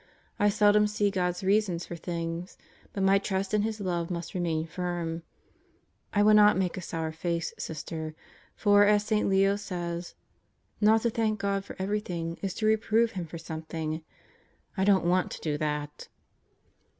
I seldom see God's reasons for things, but my trust in His love must remain firm, I will not make a sour face, Sister; for as St. Leo says: "Not to thank God for everything is to reprove Him for something. 3 ' I don't want to do that.